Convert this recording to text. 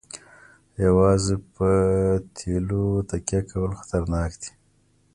یوازې په تیلو تکیه کول خطرناک دي.